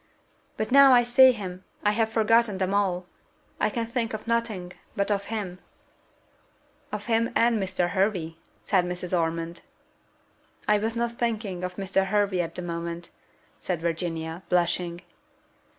"But now I see him, I have forgotten them all. I can think of nothing but of him." "Of him and Mr. Hervey," said Mrs. Ormond. "I was not thinking of Mr. Hervey at that moment," said Virginia, blushing.